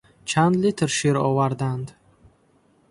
Чанд литр шир оварданд?